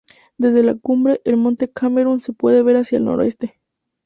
Desde la cumbre, el monte Camerún se puede ver hacia el noreste.